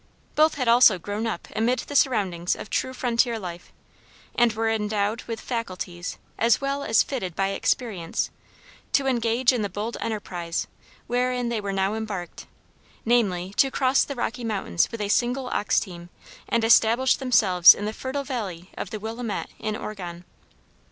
Both had also grown up amid the surroundings of true frontier life, and were endowed with faculties, as well as fitted by experience, to engage in the bold enterprise wherein they were now embarked, namely, to cross the Rocky Mountains with a single ox team and establish themselves in the fertile vale of the Willamette in Oregon.